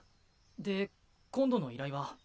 で今度の依頼は。